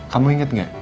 kamu inget gak